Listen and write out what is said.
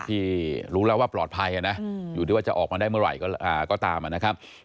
ที่รู้แล้วว่าปลอดภัยนะอยู่ที่ว่าจะออกมาได้เมื่อไหร่ก็ตามนะครับ